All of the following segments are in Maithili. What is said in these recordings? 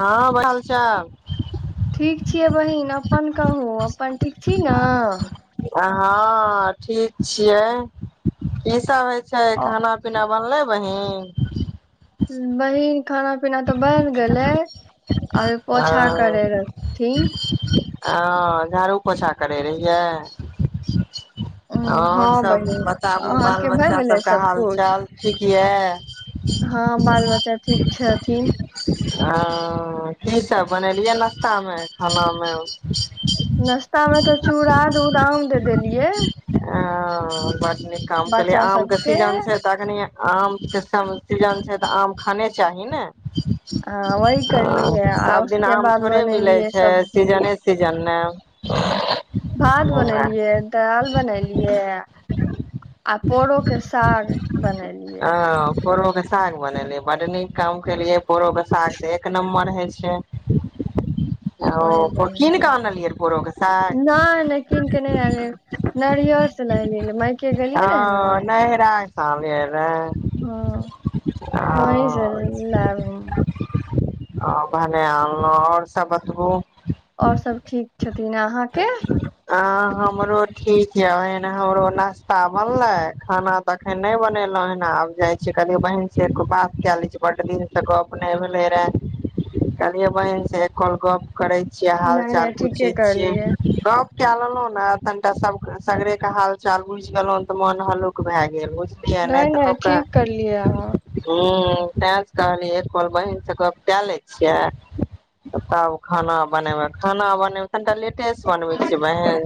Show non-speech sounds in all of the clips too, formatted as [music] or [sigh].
हँ ब हालचाल ठीक छियै बहिन अपन कहू अपन ठीक छी ने अ- हाँ ठीक छियै की सब हे छै खाना पीना बनलै बहिन बहिन खाना पीना तऽ बनि गेले अभी पोछा करे रहथिन ह झाड़ू पोछा करै रहियै उम, हँ आओर सभ बहिन बताबू बाल अहाँके भए बच्चा गेलै सभके सबकुछ हालचाल ठीक किया अ हँ बाल बच्चा ठीक छै चीन ह की सब बनेलियै नाश्तामे खानामे नाश्तामे तऽ चूड़ा द उध आम दे देलियै आ काम कलियै बच्चा आम के सबके सीजन छै तखनी आम सीजन छै तऽ आम खाने चाही ने ह हँ वही करलियै आ सब दिन उसके आम बाद थोड़े मिलै बनेलियै छै सब्जी सीजने सीजनमे भात बनेलियै दालि बनैेलियै आ पोड़ोके साग बनैेलियै पोरो के साग बने ल बादनीक काम केलियै पोरोके साग तऽ एक नम्बर होइ छै ओ ओह ब कीन नहि कऽ आनलियै पोरो के साग नहि कीन के नहि ल नारियर से ल मायके गेलियै हँ रहे ने ह नैहरा सँ आनलियै रहे वहि से लब हँ आ भने अनलहुँ आओर सब बतबु आओर सभ ठीक छथिन अहाँके अ हमरो ठीक ये ए हमरो नाास्ता बनले खाना ते अखन नहि बनेलो हेन आब जाय छी कलियो बहिन से बात क ले छी ब एक दिन तऽ गप नहि भेले रे कहलियै बहिन से एकल गप करै छियै हाल नहि चाल नहि ठीके पूछै छियै करलियै तप कए लेलहुं ने तनिटा सब सगरे के हाल चाल बुझि गेलों तऽ मोन हल्ुक भए गेलझ किया नहि तऽ ठीक लोककें करलियै अहाँ हं [unintelligible] कहनी एक पल बहिन से गप कए ले छियै तब खाना बनेबै खाना बनेब एखन त' लेटेस' बनबै छियै बहिन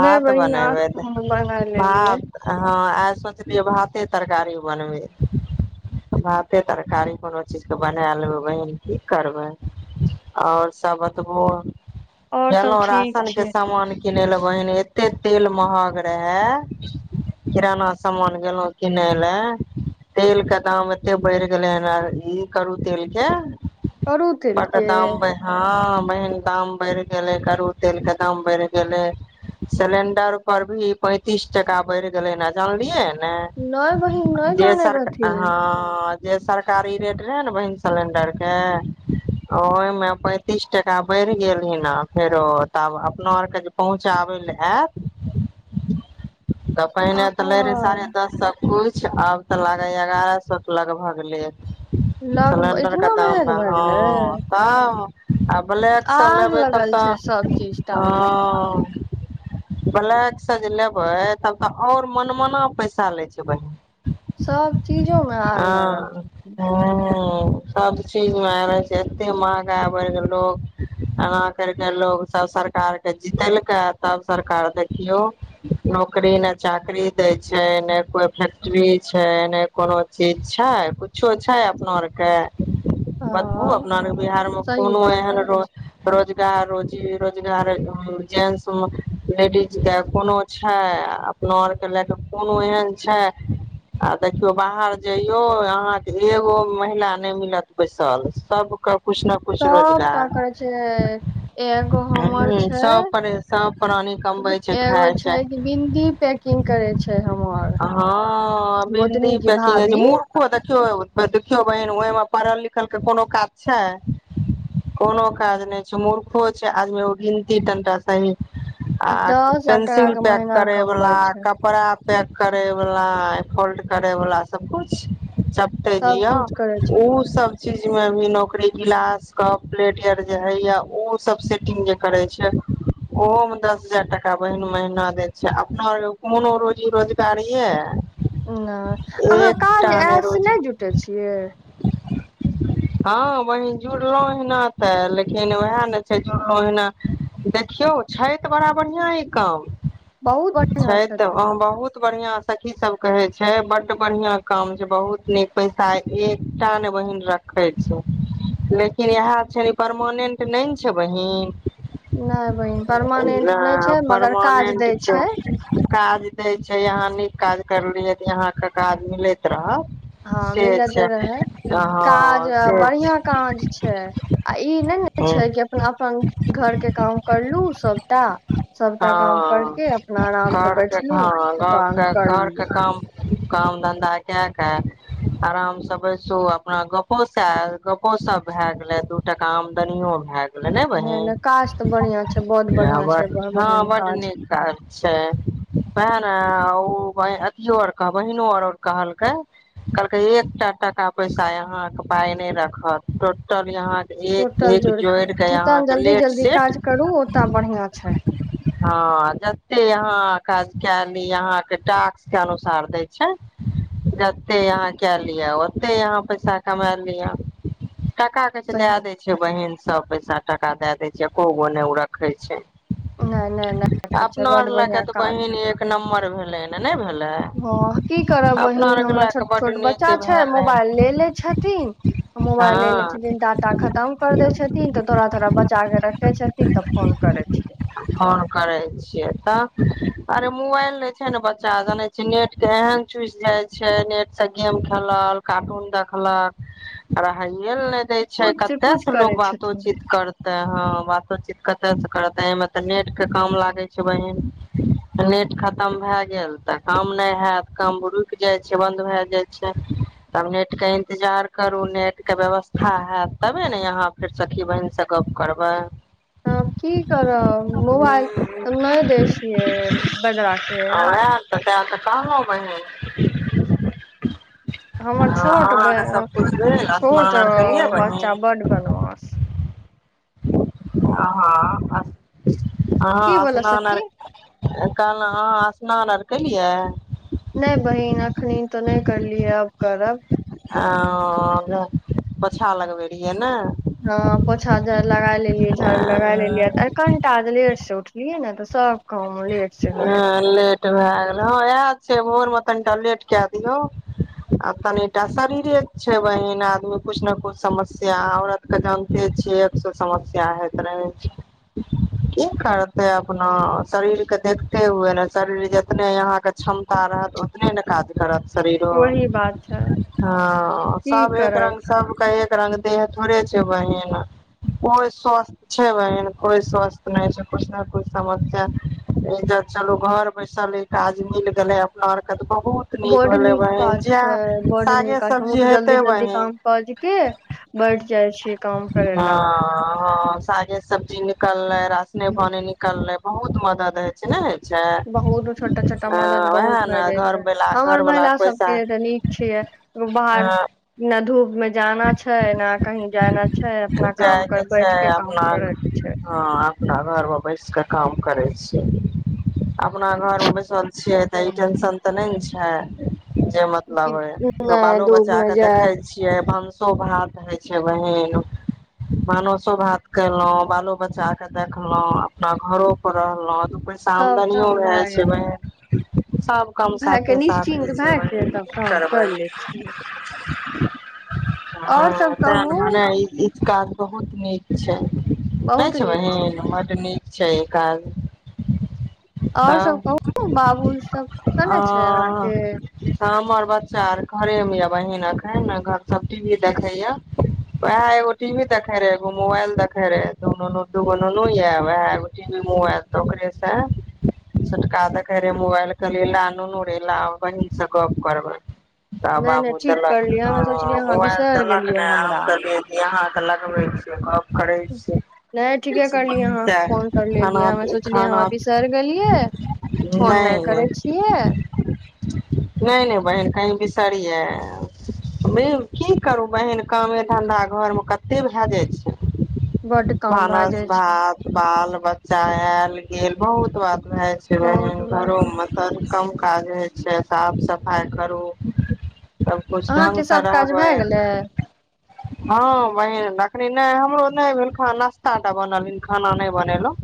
नहि बहिन आज बनेबै मंगा लेलियै भात हं आइ सोचलियै भाते तरकारी बनेबै भाते तरकारी कोनो चीजके बना लेबै बहिन की करबै आओर सब बतबो और सब एलहुं ठीक रासनकें छै सामान किनय लए बहिन एते तेल महग रहय किराना सामान गेलो किनय लए तेल के दाम एते बैढ़ गेले हन आ ई करू तेलके करू बड तेलके दाम बै हँ महंग दाम बढि गेलय कड़ु तेलकें दाम बढि गेलय सिलेंडर पर भी पैंतीस टका बढि गेलय ने जानलियै हन नहि बहिन नहि जानै रहथिन हँ जे सरका कारी रेट रहय ने बहिन सिलेंडरके ओहिमे पैंतीस टाका बढ़ि गेल ह ने फेरो तब अपना आरके जे पहुँचाबै लए आयत तऽ आ पहिने तऽ लए रहय साढ़े दस सौ कुछ अच्छा आब तऽ लागय या एगारह सए के लगभग लेत लग सलेंडर इतना क महग दाममे भए गेलै हँ तब आ ब्लैकसँ आग लेबै तब लगल तऽ छै सब चीज टा मे हं' ब्लैकसँ जे लेबै तब तऽ आओर मनमना पैसा लै छै बहिन सभ चीजोमे आग लागल छै हं सभचीजमे रहय छै एते महगा भ' गेल लोग एना कर के लोग सब सरकार के जीतेलकै तब सरकार देखियौ नौकरी ने चाकरी दय छै ने कोई फैक्ट्ररी छै ने कोनो चीज छै कु छो छै अपना औरके बतबू हँ अपना बिहारमे सही कोनो बात एहन बोलै रो छी रोज जा रोजी रोजगार जेंसमे लेडीजकें कोनो छै अपना आर के लेके कोनो एहन छै आ देखियौ बाहर जइयो अहाँ एगो महिला नहि मिलत बैसल सबके कुछ ने कुछ सभटा रोजगार करय छै एगो हमर ह छै सब पर सब प्राणी कमबै छै एगो खाय छै कि बिन्दी पैकिंग करय छै हमर हँ गोतनी की भाभी देखियो बहिन ओहि मे पढ़ल लिखल के कोनो काज छै कोनो काज नहि छै मूर्खो छै आदमी गिनती टा सही आ दस हजार टाका पेंसिल के पैक महीना करे कमबै वला छै कपड़ा पैक करै बला फोल्ट करै बला सबकुछ चपटै जे य सब कुछ करै ओ छथिन सब चीजमे न नौकरी गिलास कप प्लेट आर जे होइया ओ सब सेटिंग जे करे छै ओहो मे दस हजार टका बहिन महिना दए छै अपना कोनो रोजी रोजगार यए न अहाँ काज ए अहाँ से रोजी नहि जुटय छियै [inaudible] हँ बहिन जुड़लहुँ हना तऽ लेकिन उएह ने छै जुड़लहुँ हना देखियौ छै तऽ बड़ा बढ़िआँ ई काम बहुत बढ़िआँ छै तऽ व छथिन बहुत बढ़िआं सखी सब कहे छै बड बढ़िया काम छै बहुत नीक पैसा एक एकटा ने बहिन रखै छै लेकिन इएह छै ने परमानेंट नहि ने छै बहिन नहि बहिन परमानेंट नहि छै मगर काज दै छै काज देय छै यहाँ नीक काज करलियय तऽ यहाँ के काज मिलैत रह हँ मिलद काज हँ से बढ़िआँ काज छै आ ई नहि ने छै कि अप अपन घरके काम करलहु सभटा सभटा काम हँ करके अपना आराम से घरके बैठलहु हँ तऽ काम गपके करलिय घरके काम काम धन्धा कए क आरामसँ बैसो अपना गपो है गपो सब भय गेले दू टका आमदनियो भए गेल नै बहिन नहि नहि काज तऽ बढ़िया छै बहुत य बढ़िया छै ह बहिन बड नीक काज छै प ओहै ने ब अथियो आर कह बहिनो आर आर कहलकै कहलकै एकटा टाका पैसा यहां के पााय नहि रखत टोटल यहाँ टोटल जोड़ जितना जल्दी लेट जल्दी सेट काज करू ओतय बढ़िआँ छै हँ जते यहाँ काज कै लीअ ओते यहाँके टास्क के अनुसार दय छै जते यहाँ क लिअ कते यहाँ पैसा कमा लिअ टाका किछ दै सही दए मे दै छै बहिन सब पैसा टाका दए दै छै एको गो नहि ओ रखै छै नहि नहि नहि रखे छै अपनार बड लए के बढ़िया तऽ काज बहिन एक नम्बर भेले ने नहि भेल हँ की करब बहिन हमरा लए छोट कऽ छोट बड्ड नीक बच्चा छै भेलै मबाइले लेलेमोबाइल ले हँ ले छथिन डाटा खतम कर दै छथिन तऽ थोड़ा थोड़ा बचा क रखै छथिन तऽ फोन करै छिय फोन करै छियै तऽ अरे मोबाइल ल छै ने बच्चा जानै छै नेट के एहन चुइस जाय छै नेट से गेम खेलल कारटून देखलाक आ ह ल ने देय छै कुछ कते कुछ से लोग करै छथिन बातोचीत करते हँ बातोचीत कतयसँ करत एहिमे तऽ नेटके काम लागै छै बहिन नेट खतम भए गेल तऽ काम नहि हत काम रुकि जाइ छै बन्द भए जाइ छै तब नेटके इन्तजार करू नेटके व्यवस्था हयैतत तबे ने यहाँ फेर सखी बहिन से गप्प करबै आ की करब मोबाइल वएह हम नहि दै छियै बजराके तै तऽ कहलौ बहिन हमर छोट ब अहाँके सबकुछ भेल छोट स्नान आर केलियै बहिन बच्चा बड वनवास हँ आहां बोलऽ आसना आर। सखी कहलहु अहाँ स्नान आर केलियै नहि बहिन अखनी तो नहि करलियै अब करब ओ पोछा लगबे रहियै ने हँ पोछा झ लगा लेलियै झाड़ू लगा लेलियैऽ कनिटा लेट से उठलियै ने तऽ सभ काम लेट से होय हँ भए लेट गेल ह इएह छै भोर मे तनिटा लेट क दियहो आ तनिटा शरीरे छै बहिन आदमी कुछ ने कुछ समस्या औरत के जानते छिय एक स समस्या होइत रहे छै की करते अपना शरीरके देखते हुए ने शरीर जतने अहाँके क्षमता रहत ओतने ने काज करत शरीरो ओही बात छै ह की सब एक करब रंग सबके एक र देह थोड़े छै बहिन कोइ स्वस्थ छै बहिन कोइ स्वस्थ नहि छै किुछ ने कछ समस्या एहिज चलू घर बैसल एक आाज मिल गेले अपना आरके बहुत बड भेलै नीक बहिन काज जे छै बड नीक सागे काज छै हमँ सब्जी तऽ हेतै जल्दी जल्दी बहिन काम काज के बैठ जाइ छीयै काम करे हँ ला हँ सागे सब्जी निकललै रासने पानी निकले बहुत म दइ छै ने छै बहुत छोटा छोटा अ मदद वएह बहुत भए ने जाइ घर छै वला हमर घर वला महिला पैसा सबके तऽ नीक छियै बाहर हँ न धूप में जाना छै ने कहीं जाना छै अपना काम जायके कर छै बैठ के काम अपना करे के छै हँ अपना घर मे बैस के काम [inaudible] अपना घर में बैसल छियै तऽ ई छै टेंशन तऽ नहि ने छै हँ जे नहि मतलब ह बालो दूध बच्चा मे के देखे जायब छियै नसो भात हय छै बहिन भानसो भात केलहुं बालो बच्चा के देखलहुं अपना घरो पर रहलहुं छ सब आमदनीओ काम भे भए छै गेल बहिन सभ काम भए के साथेसाथ होई निश्चिन्त छै भए के बहिन तब की काम करबै कर ले छियै [inaudible] और सब कहू हँ [unintelligible] बहुत नीक छै नहि बहुत छ नीक छै बहिन बड निक छै काज आओर सब तब कहू बाबू सब अ केने छै अहाँके हमर बच्चा आर घरे मे य बहिन अखन घर टीवी देखेया वएह एगो टीवी देखे रहे एगो मोबाइल देखे रहे दुू नुनू दूगो नुनू य वएह एगो टीवी मोबाइल तऽ ओकरे से छोटका देखे रहे मोबाइल कहलियै नुनु रे ला बहीन से गप करबै तऽ नहि नहि बाबू ठीक करलियै तेलखन हमे सोचलियै अहाँ मोबाइल बिसरि देलक गेलियै ने हम हमरा कहलियै कि यहा के लगबै छियै क नहि ठीके करलियै अहाँ फोन सएह कर लेलियै खाना हमे सोचलियै खाना हमरा बिसैर गेलियै फोन नहि करै छियै नहि नहि बहिन कही बिसरीयै ब की करू बहन कामे धन्धा घरमे कते भए जाइ बड्ड छै काम भए भानस जाइ छै भात पाल बच्चा आयल गेल बहुत बात बहुत भए घरो जाइ कम काज होइ छै साफ सफाइ करू सबकुछ ढंग अहाँके स सब काज भए रह गेलै हँ बहिन एखनी नहि हमरो नहि भेल ख नास्ता टा बनलिन खाना नहि बनेलहुँ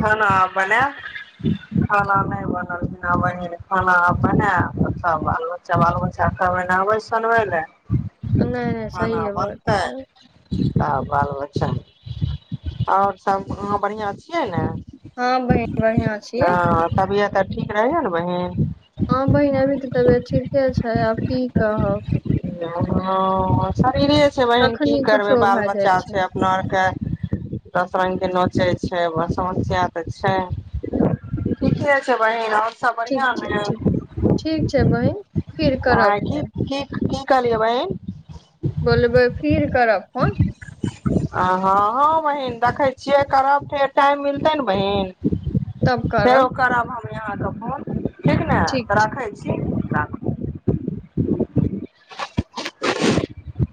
खाना आब बनायब खाना नहि बनल ह बहिन खाना अब बनायब सब बाल बच्चा बाल बच्चा सबके कहबै नहबै सुनबै लए नहि नहि खाना सहीये बात बनतै त तब बाल बच्चा आओर सब अहाँ बढ़िआँ छियै ने हँ बहनि बढ़िआँ छियै तऽ ठीक रहै या नै बहिन हँ बहिन अभी तऽ तबियत ठीके छै आब की कहब हाँ फिरे छै बहिन की कखनी करबे कुछो बाल भए जाइ बच्चा छै अपना आर के दस रंग के नच च छै समस्या तऽ छै ठीकै छै बहिन सब ठीक बढ़िआँ छै ने ठीक ठीक छै बहिन फिर करबो फोन क की कलिय बहिन बोलब फिर करब फोन आ हँ हँ बहिन देखैत छियै करब फेर टाइम मिलतै ने बहीन फेरो करब हम यहाँ फोन ठीक ने ठीक तऽ छै राखै छी राखु